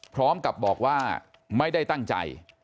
พร้อมกับบอกว่าไม่ได้ตั้งใจ